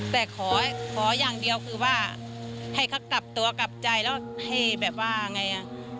แต่ขออย่างเดียวคือว่าให้เขากลับตัวกลับใจแล้วให้แบบว่าไง